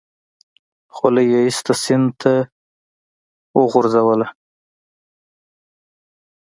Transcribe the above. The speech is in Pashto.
خولۍ يې ايسته سيند ته يې وگوزوله.